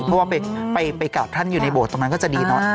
เพราะว่าไปกราบท่านอยู่ในโบสถตรงนั้นก็จะดีเนอะ